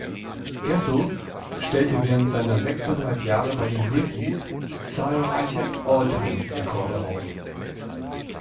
Gasol stellte während seiner sechseinhalb Jahre bei den Grizzlies zahlreiche All-Time-Rekorde auf.